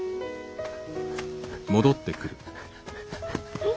えっ。